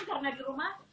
karena di rumah